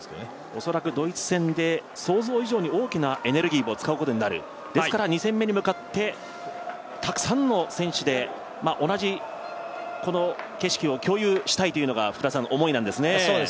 おそらくドイツ戦で想像以上に大きなエネルギーを使うことになる、ですから２戦目に向かってたくさんの選手で同じ景色を共有したいというのが、福田さんの思いなんですね。